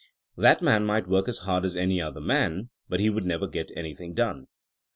. That man might work as hard as any other man, but he would never get any thing done.